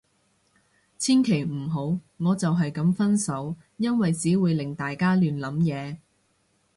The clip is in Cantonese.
千祈唔好，我就係噉分手。因為只會令大家亂諗嘢